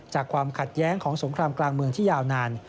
ความขัดแย้งของสงครามกลางเมืองที่ยาวนาน